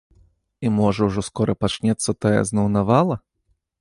І можа ўжо скора пачнецца тая зноў навала?